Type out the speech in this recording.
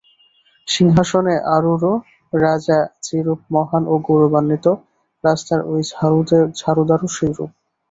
সিংহাসনে আরূঢ় রাজা যেরূপ মহান ও গৌরবান্বিত, রাস্তার ঐ ঝাড়ুদারও সেইরূপ।